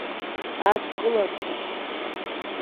Адкыларҭа?